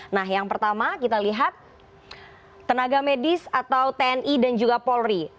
nah yang pertama kita lihat tenaga medis atau tni dan juga polri